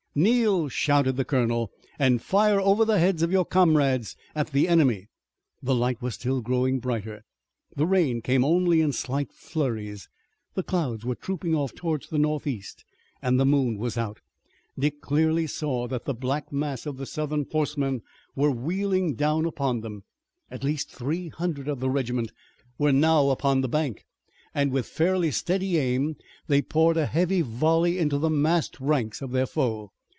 "Kneel," shouted the colonel, "and fire over the heads of your comrades at the enemy!" The light was still growing brighter. The rain came only in slight flurries. The clouds were trooping off toward the northeast, and the moon was out. Dick clearly saw the black mass of the Southern horsemen wheeling down upon them. At least three hundred of the regiment were now upon the bank, and, with fairly steady aim, they poured a heavy volley into the massed ranks of their foe.